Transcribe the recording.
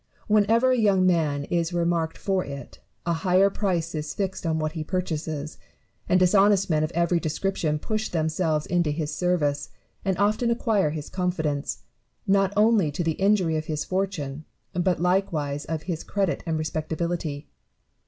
Whenever a young man is remarked for it, a higher price is fixed on what he purchases ; and dishonest men of every description push themselves into his service, and often acquire his confidence, not only to the injury of his fortune, but likewise of his credit and respectability.